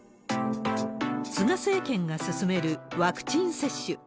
菅政権が進めるワクチン接種。